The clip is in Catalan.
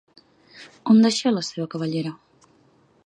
On deixà la seva cabellera?